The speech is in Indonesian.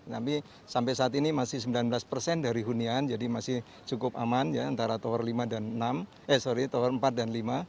tapi sampai saat ini masih sembilan belas persen dari hunian jadi masih cukup aman ya antara tower empat dan lima